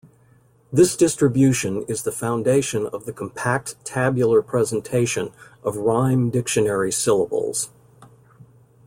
This distribution is the foundation of the compact tabular presentation of rime dictionary syllables.